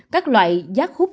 các loại giác khúc